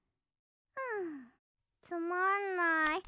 んつまんない。